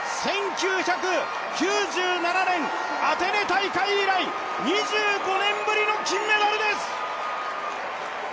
１９９７年、アテネ大会以来、２５年ぶりの金メダルです。